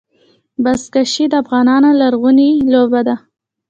بزکشي د افغانانو لرغونې لوبه ده.